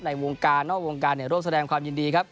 วงการนอกวงการร่วมแสดงความยินดีครับ